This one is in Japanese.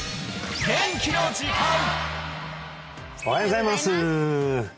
おはようございます